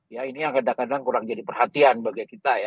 ya ini yang kadang kadang kurang jadi perhatian bagi kita ya